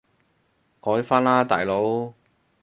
改返喇大佬